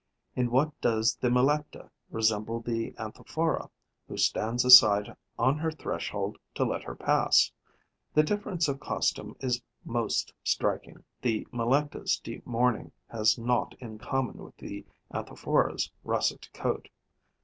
In what does the Melecta resemble the Anthophora, who stands aside on her threshold to let her pass? The difference of costume is most striking. The Melecta's deep mourning has naught in common with the Anthophora's russet coat.